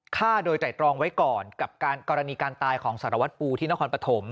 ฆ่าโดยไตรตรองไว้ก่อนกับกรณีการตายของสารวัตรปูที่นครปฐม